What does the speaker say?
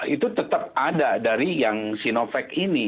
itu tetap ada dari yang sinovac ini